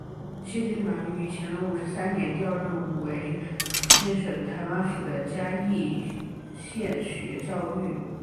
谢金銮于乾隆五十三年调任为福建省台湾府的嘉义县学教谕。